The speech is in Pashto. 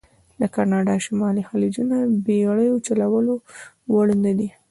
د کانادا شمالي خلیجونه بېړیو چلولو وړ نه دي.